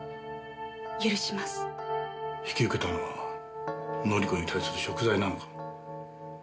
引き受けたのは紀子に対する贖罪なのか？